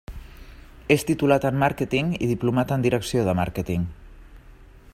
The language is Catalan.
És titulat en màrqueting i diplomat en direcció de màrqueting.